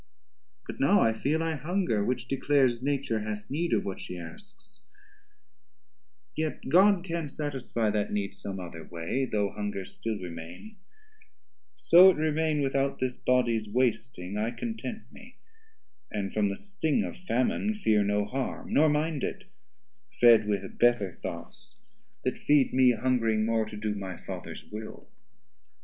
But now I feel I hunger, which declares, Nature hath need of what she asks; yet God Can satisfie that need some other way, Though hunger still remain: so it remain Without this bodies wasting, I content me, And from the sting of Famine fear no harm, Nor mind it, fed with better thoughts that feed Mee hungring more to do my Fathers will.